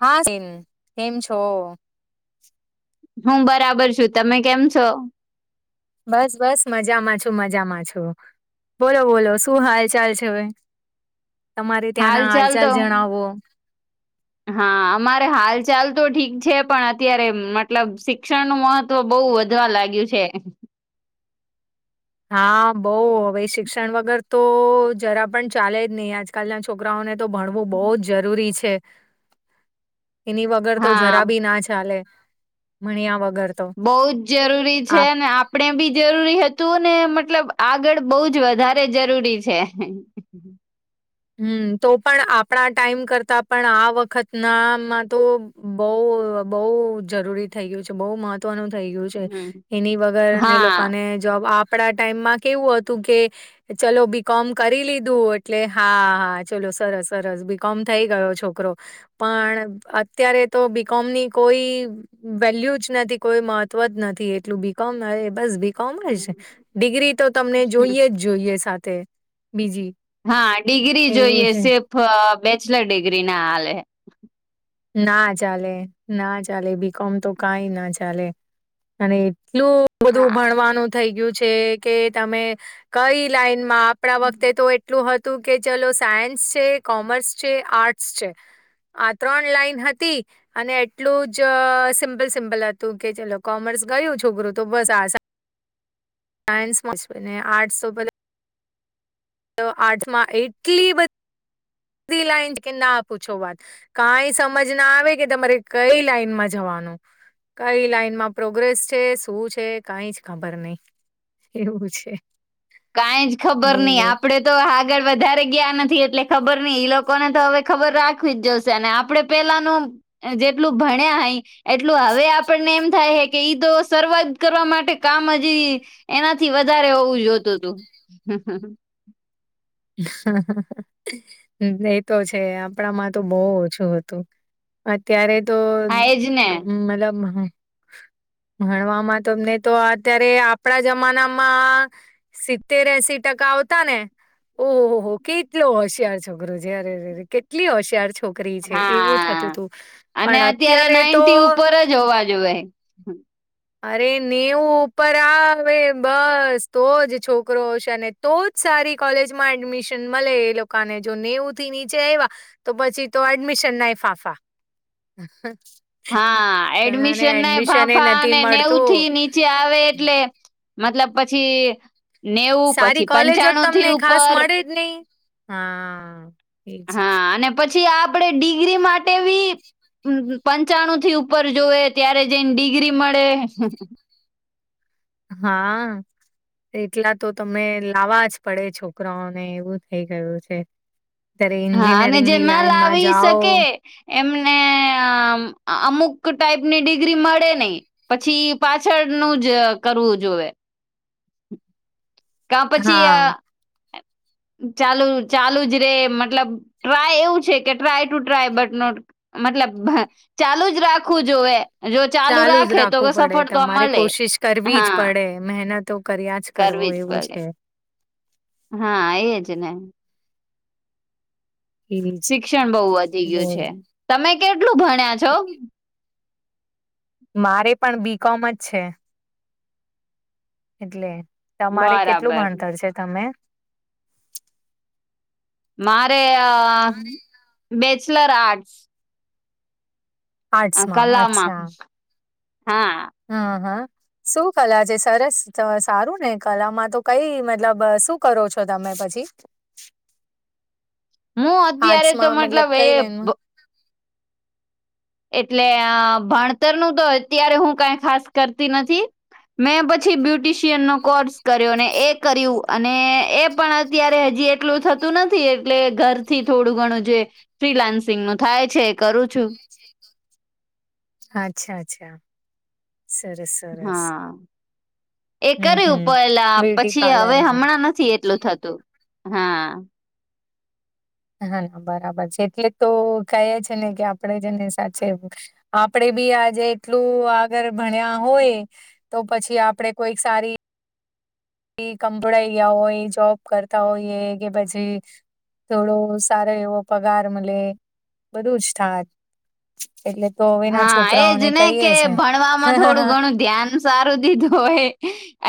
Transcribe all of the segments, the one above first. હા સન કેમ છો? હું બરાબર છું તમે કેમ છો? બસ બસ મજામાં છું મજામાં છું, બોલો બોલો શું હાલ ચાલ છે હવે, તમારે હાલ ત્યાંના ચાલ હાલચાલ તો જણાવો. [inaudible] હા અમારે હાલ ચાલ તો ઠીક છે પણ અત્યારે મતલબ શિક્ષણનું મહત્વ તો બહુ વધવા લાગ્યું છે. હા બઉ હવે શિક્ષણ વગર તો જરા પણ ચાલે જ નહી આજ કાલના છોકરાઓને તો ભણવું બહુ જ જરૂરી છે. એની વગર તો હા જરા બી ના ચાલે ભણ્યા વગર. તો બહુ જ જરૂરી આ છે ને આપ આપણે બી જરૂરી હતું ને મતલબ આગળ બહુ જ વધારે જરૂરી છે. હમ તો પણ આપણા ટાઈમ કરતા પણ આ વખત નામાં તો. બઉ બહુ જરૂરી થઈ ગયું છે બહુ મહત્વ વ નું થઈ ગયું છે હમ એની વગર એ હા લોકોને જોબ આપ. આપડા ટાઈમમાં કેવું હતું કે ચલો બી કોમ કરી લીધું એટલે. હા હા ચલો સરસ સરસ બી કોમ થઈ ગયો છોકરો. પણ અત્યારે તો બીકોમ ની કોઈ. વેલ્યુ જ નથી કોઈ મહત્વ જ નથી એટલું બીકોમ હવે બસ બી. કોમર્સ ડિગ્રી તો તમને જોઈએ જ જોઈએ સાથે બીજી. હા ડિગ્રી એવું જોઈએ છે. સિર્ફ બેચલર ડિગ્રી ના હાલે. ના ચાલે ના ચાલે બીકોમ તો કઈ ના ચાલે. અને એટલું બધું હા ભણવાનું થઈ ગયું છે કે તમે કઈ લાઈન. માં આપણા વખતે તો એટલું. તું કે ચલો સાયન્સ છે કોમર્સ છે આર્ટસ છે આ. ત્રણ લાઈન હતી. અને એટલું જ સિમ્પલ સિમ્પલ હતું ચલો ગયું છોકરું તો બસ આશા. સાયન્સમા છું ને આર્ટસ તો પેલું. તો આર્ટસમાં એટલી બી કે પૂછો વાત. કઈ સમજ ના આવે કે તમારે કઈ લાઈનમાં જવાનું. કઈ લાઈન માં પોગ્રેસ છે શું છે કઈ જ ખબર નહી. એવું છે. કઈ જ ખબર નહી બોલો આપડે તો હા. આગળ વધારે ગયા નથી એટલે ખબર નઈ ઈ લોકોને તો હવે ખબર રાખવી જ જશે અને આપડે પેલાનું. જેટલું ભણ્યા અય. એટલું હવે આપણને એમ થાય કે ઈદ સરવાઈ કરવા માટે કામ હજી. એનાથી વધારે હોવું જોતું હતું. એતો છે આપણા માં તો બો ઓછું હતું. અત્યારે તો હા એજ ને મતલબ. ભણવામાં તમને તો અત્યારે આપણા જમાનામાં. સિત્તેર એસી ટકા આવતા ને. અરે કેટલો હોશિયાર છોકરો અરે રે કેટલી હોશિયાર શોકરી. છોકરી છે એવું થતું હા હતું પણ અત્યારે તો. જોવા જોએ. અરે નેવું ઉપર આવે બસ તો જ છોકરો હશે ને. તો સારી કોલેજમાં એડમિશન મળે એ લોકોને જો નેવું થી એવા. તો પછી તો એડમિશન ના ફાંફા. હા એડમિશન ના એ ફાફા નથી નેવ થી મળતું નીચ. પછી આવે એટલે મતલબ પછી. નેવું સારી પછી કોલેજો જ પંચાણું થી તમને ખાસ ઉપર. મળે નહી હા હા. એજ હા અને પછી આપડે ડિગ્રી માટે બી. પંચાણું થી ઉપર જોવે ત્યારે જઈને ડિગ્રી મળે. હા. એટલા તો તમે લાવવા જ પડે છોકરાઓને એવું થઈ ગયું છે. અત્યારે હા અને એન્જિનિયરિંગ જે ની ન લાઈન માં લાવી જાઓ. શકે એમને અમુક ટાઈપની ડિગ્રી મળે નહી પછી પાછળનુંું જ કરવું જોએ હા કાંપચીિયા ચાલુ ચાલુ જ રે મતલબ ટ્રાય એવું છે કે try to try but not મતલબ ચાલુ જ રાખવું જોએ ચાલુ જ રાખવું પડે તમારે મળે કોશિશ કરવી જ હા પડે મહેનતો કર્યા જ કરવો કરવી એવું પડે છે હા એજ ને એજ શિક્ષણ બહુ વધી ગયું બોલો. છે તમે કેટલું ભણ્યા છો મારે પણ બીકોમ જ છે એટલે તમારે કેટલું બરાબર ભણતર છે તમે મારે બેચલર આર્ટસ આર્ટસમાં અચ્છા હા હા હા શું કલા છે સરસ ને કલામાં તો મતલબ શું કરો છો તમે પછી હું અત્યારે તો આર્ટસમાં મતલબ કઈ એ લાઈનમાં એટલે ભણતર નું તો અત્યારે હું કઈ ખાસ કરતી નથી મેં પછી બ્યુટિશિયન નો કોર્સ કર્યો અને એ કર્યું અને એ પણ અત્યારે હજી એટલું થતું નથી એટલે ઘરથી થોડું ઘણું જે ફ્રીલાન્સિંગ નું થાય છે કરું છું અચ્છા અચ્છા સરસ સરસ હા એ હમ કર્યું હમ પેલા બ્યુટી પછી હવે પાર્લર નું હમણાં નથી એટલું થતું હા હા ના બરાબર છે એટલે તો કહે છે ને કે આપણેે જ ને સાથે આપડે બી આજે એટલું આગળ ભણ્યા હોય તો પછી આપડે કોઈક સારી કભળાઈયા હોય જોબ કરતા હોયએ કે પછી થોડો સારો એવો પગાર મળે બધું જ થાય એટલે તો હા એજ કહીએ છે. ભણવામાં થોડું ઘણું ધ્યાન સારું દીધું હોય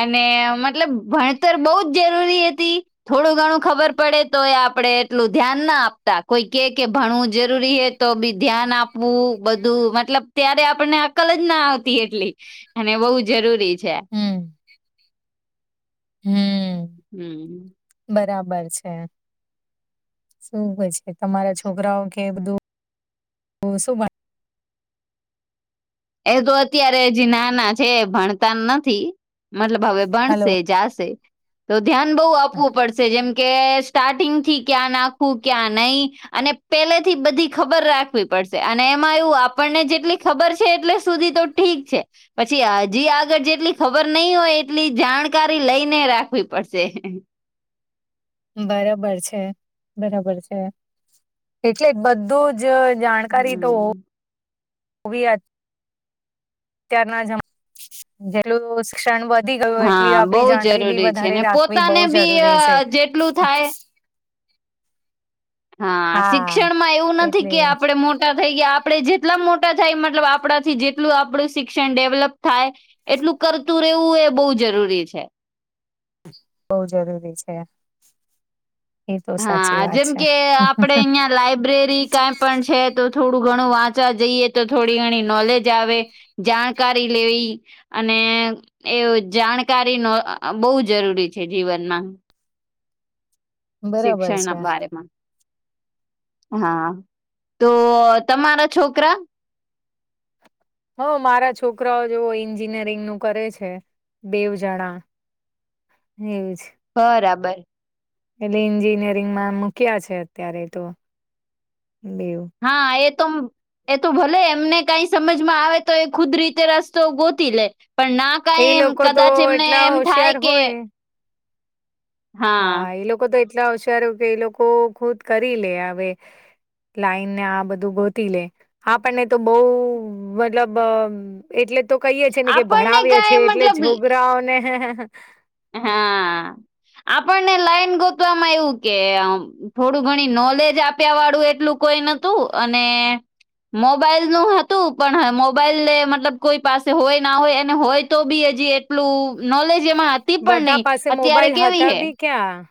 અને મતલબ ભણતર બહુ જ જરૂરી હતી થોડું ઘણું ખબર પડે તો એ આપડણે એટલું ધ્યાન ના આપતા કોઈ કે કે ભણવું જરૂરી તો બી ધ્યાન આપવું બધું મતલબ ત્યારે આપણને અકલ જ ના આવતી એટલી અને બહુ જરૂરી છે હમ હમ હમ બરાબર છે શું કે છે તમારા છોકરાઓ કે બધું શું એ તો અત્યારે જ નાના છે ભણતા નથી મતલબ હવે હલો ભણશે જાશે તો ધ્યાન બહુ હા. આપવું પડશે જેમ કે સ્ટાર્ટિંગ થી ક્યાં નાખું ક્યાં નહીિ અને પેલેથી બધી ખબર રાખવી પડશે અને એમાં એવું આપણને જેટલી ખબર છે છે એટલે સુધી તો ઠીક છે પછી હજી આગળ જેટલી ખબર નહી હોય એટલી જાણકારી લઈને રાખવી પડશે બરોબર છે બરોબર છે એટલે બધું જ જાણકારી તોવી અત્યારના જ એટલું શિક્ષણ વધી ગયું એટલી હા બહુ આપડી જાણરી બી જરૂરી છે વધારે ને રાખવી બહુ પોતાને બી અ જરૂરી છે જેટલું સા થાય હા શિક્ષણમાં એવું નથી એટલે કે આપણેે મોટા થઈ ગયા આપણે જે એટલા મોટા થાય મતલબ આપણાથી જેટલું આપણું શિક્ષણ ડેવલપ થાય એટલું કરતું રહેવું એ બહુ જરૂરી છે બઉ જરૂરી છે. એ તો સાચી હા વાત જેમ છે. કે આપડે અહિયાં લાઈબ્રેરી કઈ પણ છે તો થોડું ઘણું વાંચવા જઈએ તો થોડી ઘણી નોલેજ આવે જાણકારી લેવી અને એ જાણકારી નો બહુ જરૂરી છે જીવનમાં બરાબર શિક્ષણના છે બારેમાં હા તો તમારા છોકરા હઓ મારા છોકરાઓ જે એન્જિનિયરિંગ નું કરે છે બેવ જણા ન્યુઝ બરાબર. એટલે એન્જિનિયરિંગમાં મૂક્યા છે અત્યારે તો બેવું હા એ તો એ તો ભલે એમણે કઈ સમજમાં આવે તો એ ખુદ રીતે રસ્તો ગોતી લે પણ ના કઈ એ એમ લોકો તો કદાચ એમને એટલા એમ થાય હોશિયાર કે હોય હા એ લોકો તો એટલા હોશિયાર કે એ લોકો ખુદ કરી લે હવે લાઈન ને આ બધું ગોતી લે આપણને તો બહું મતલબ અ એટલે તો કહીએે છે ને કે આપણને ભણાવએે કઈ છીએ એટલે મતલબ છોકરાઓને હે હે હા. આપણને લાઈન ગોતવામાં આવવું કે થોડું ઘણી નોલેજ આપ્યા વાળું એટલું કોઈ નતું અને ને મોબાઈલ નું હતું પણ મોબાઈલ મતલબ કોઈ પાસે હોય ના હોય અને હોય તો બી હજી એટલું નોલેજ એમાં હતી પણ નઈ અત્યારે કેવી હૈ ક્યા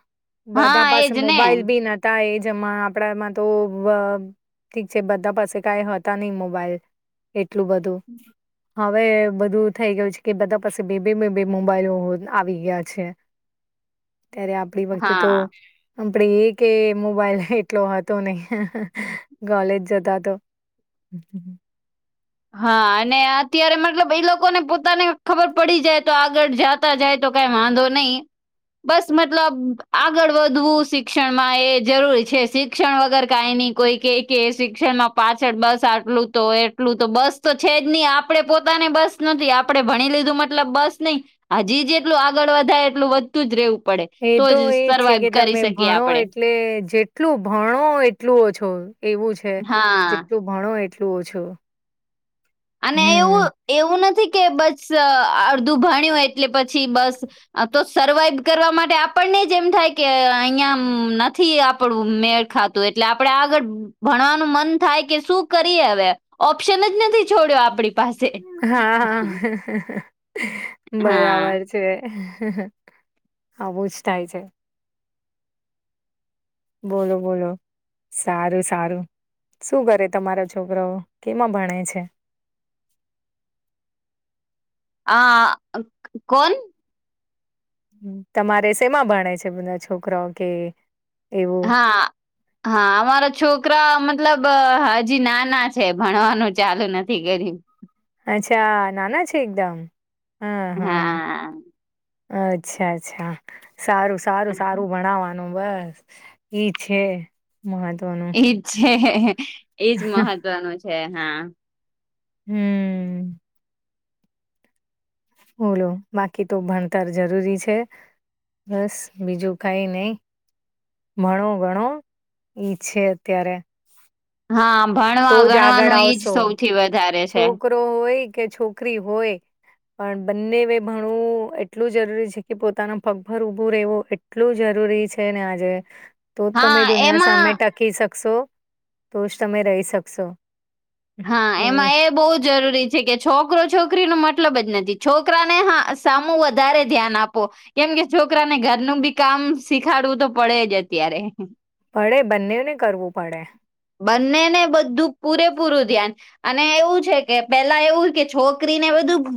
બધા પાસે મોબાઈલ બી નતા એજમાં આપડામાં તો ઠીક છે બધા પાસે કાઈ હતા નહી મોબાઈલ એટલું બધું હવે બધું થઈ છે કે પાસે બેબી મે બેબી મોબાઈલો આવી ગયા છે ત્યારે આપડી વખતે તો હા આપડ એ કે મોબાઈલ એટલો હતો નહિ કોલેજ જતા તો હમ્મ. હા અને અત્યારે મતલબ એ લોકોને પોતાને ખબર પડી જાય તો આગળ જાત મુક્તા જાય તો કઈ વાંધો નહીં બસ મતલબ આગળ વધવું શિક્ષણમાં એ જરૂરી છે શિક્ષણ વગર કઈ ન કોઈ કે કે શિક્ષણમાં પાછળ બસ આટલું તો એટલું તો બસ તો છે જ નહી આપડે પોતાને બસ નથી આપડે ભણી લીધું મતલબ બસ નહી હજી જેટલું આગળ વધાય એટલું વધતું જ રહેવું પડે એ તો જ એજ છે કે સર્વાઈવ કરી તમે શકીએ ભણો આપણે એટલે જે એટલું ભણો એટલું ઓછો એવું છે હા જેટલું ભણો એટલું ઓછું અને હમ એવું એવું નથી કે બસ અડધું ભણ્યું એટલે પછી બસ તો સર્વાઈવ કરવા માટે આપણને જ એમ થાય કે અહિયાં નથી આપડું મેળ ખાતું એટલે આપણે આગળ ભણવાનું મન થાય કે શું કરીએ હવે ઓપ્શન જ નથી. છોડ્યો આપડી હા હા. હા બરાબર છે આવું જ થાય છે. બોલો બોલો. સારું સારું શું કરે તમારા છોકરાઓ કેમાં ભણે છે? આ કોન? તમારે સેમાં ભણે છે બધા છોકરા કે એવું હા હા અમારા છોકરા મતલબ હજી નાના છે. ભણવાનું ચાલુ નથી કર્યું અચ્છા નાના છે એકદમ હા હા અચ્છા સારું ભણવાનું બસ એ છે મહત્વનું એજ છે એજ મહત્વનું છે હા હ બોલો બાકી તો ભણતર જરૂરી છે બસ બીજું કઈ નહી ભણો ભણો એ છે અત્યારે હા ભણવા તો જ આગળ ગણવાનું એઈજ આવશો સૌથી વધારે છે. છોકરો હોય કે છોકરી હોય પણ બંને ભણવું એટલું જરૂરી છે કે પોતાના પગપર ઉભું રહેવું એટલું જરૂરી છે ને આજે તો જ હા તમે દુનિયા સામે એમાં ટકી શકશો તો જ તમે રહી શકશો હા, એવું એમાં એ બહુ જરૂરી છે. જે કે છોકરો છોકરી ન મતલબ જ નથી છોકરાને હા સામું વધારે ધ્યાન આપો કેમ કે છોકરાને ઘરનું બી કામ શીખાડવું તો પડે જ અત્યારે પડે બંનેને કરવું પડે બંને ને બધું પૂરેપૂરું ધ્યાન અને એવું કે પેલા કે છોકરી ને બધું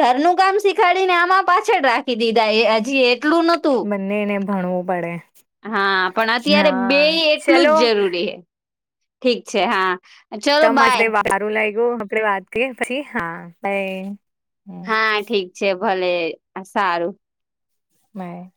ઘરનું કામ શીખાડીને આમાં પાછળ રાખી દીધા એ હજી એટલું નથી બને ને ભણવું પડે હા, પણ અત્યારે બે હા એટલું ચલો જ જરૂરી છે, ઠીક છે હા ચલો બાય તમારે લાગ્યું આપડે વાત કે હા હમ હા ઠીક છે ભલે સારું મે